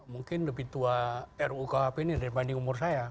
mungkin lebih tua rukhp ini daripada umur saya